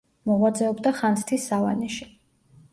მოღვაწეობდა ხანძთის სავანეში.